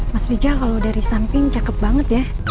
mas rijal kalau dari samping cakep banget ya